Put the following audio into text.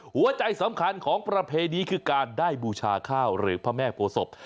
หัวใจสำคัญของประเพณีคือการได้บูชาข้าวหรือพระแม่โพศพ